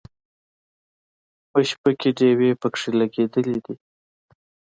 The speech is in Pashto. په شپه کې ډیوې پکې لګولې دي.